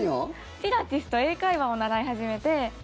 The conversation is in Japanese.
ピラティスと英会話を習い始めて。